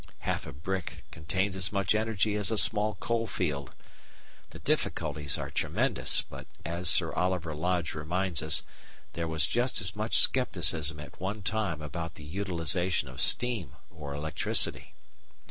Half a brick contains as much energy as a small coal field. The difficulties are tremendous, but, as Sir Oliver Lodge reminds us, there was just as much scepticism at one time about the utilisation of steam or electricity.